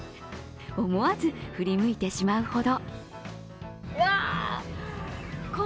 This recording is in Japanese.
思わず振り向いてしまうほど。